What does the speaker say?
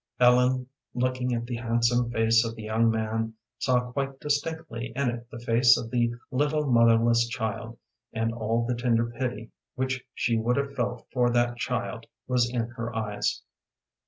Ellen, looking at the handsome face of the young man, saw quite distinctly in it the face of the little motherless child, and all the tender pity which she would have felt for that child was in her eyes.